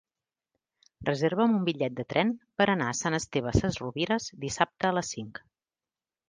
Reserva'm un bitllet de tren per anar a Sant Esteve Sesrovires dissabte a les cinc.